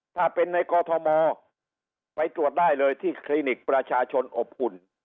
ถ้าเป็นในกอทมไปตรวจได้เลยที่คลินิกประชาชนอบอุ่น